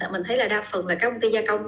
mình thấy là đa phần là các công ty gia công